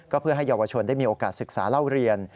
ก็เพื่อให้เยาวชนได้มีโอกาสศึกษาเล่าเรียน